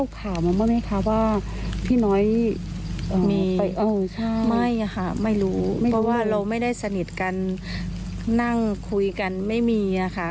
เพราะว่าเราไม่ได้สนิทกันนั่งคุยกันไม่มีค่ะ